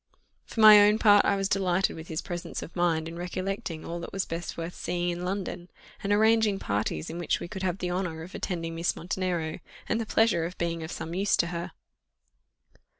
For my own part, I was delighted with his presence of mind in recollecting all that was best worth seeing in London, and arranging parties in which we could have the honour of attending Miss Montenero, and the pleasure of being of some use to her.